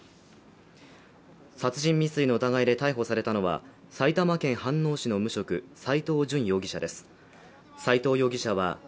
殺人未遂の疑いで逮捕されたのは埼玉県飯能市の無職、斎藤淳容疑者です。